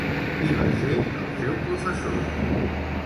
Qui va ser el seu professor?